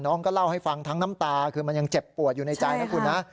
น้องก็เล่าให้ฟังทั้งน้ำตาคือมันยังเจ็บปวดอยู่ในใจนะคุณนะ